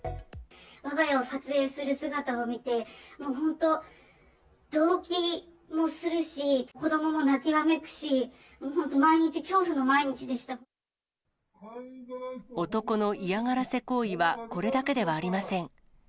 わが家を撮影する姿を見て、もう本当、どうきもするし、子どもも泣きわめくし、もう本当、男の嫌がらせ行為はこれだけではありません。